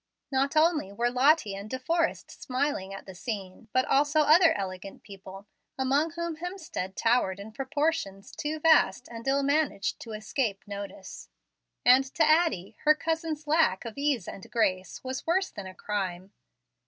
Not only were Lottie and De Forrest smiling at the scene, but also other elegant people, among whom Hemstead towered in proportions too vast and ill managed to escape notice; and to Addie her cousin's lack of ease and grace was worse than a crime.